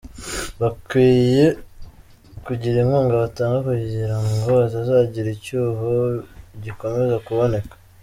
Bakwiye kugira inkunga batanga kugirango hatazagira icyuho gikomeza kuboneka.